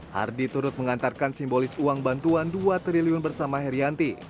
hardy turut mengantarkan simbolis uang bantuan dua triliun bersama herianti